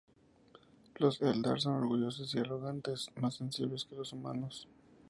Los eldar son orgullosos y arrogantes, más sensibles que los humanos.